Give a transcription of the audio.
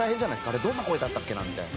あれどんな声だったっけな？みたいな。